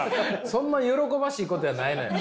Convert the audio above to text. そんなに喜ばしいことやないのよ。